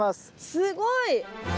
すごい！